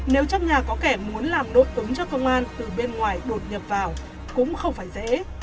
nếu trong nhà có kẻ muốn làm đội cứng cho công an từ bên ngoài đột nhập vào cũng không phải dễ